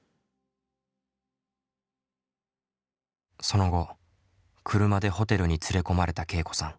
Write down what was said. その後車でホテルに連れ込まれたけいこさん。